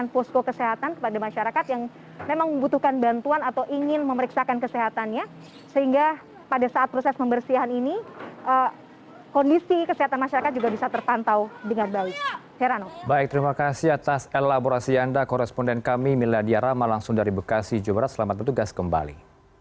pondok gede permai jatiasi pada minggu pagi